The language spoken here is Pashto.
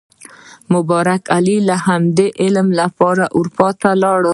مبارک علي د همدې علم لپاره اروپا ته لاړ.